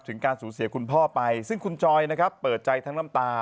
ถึงการสูญเสียคุณพ่อไปซึ่งคุณจอยนะครับเปิดใจทั้งน้ำตา